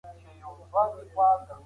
دا یو ساده جمله ده.